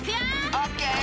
オッケー！